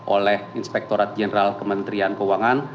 oleh inspektorat jenderal kementerian keuangan